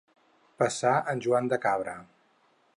Passar en Joan de Cabra.